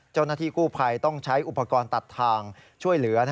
เจ้าหน้าที่กู้ภัยต้องใช้อุปกรณ์ตัดทางช่วยเหลือ